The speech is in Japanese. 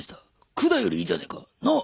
「くだ」よりいいじゃねえかなあ。